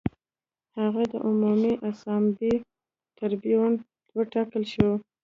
هغه د عمومي اسامبلې ټربیون وټاکل شو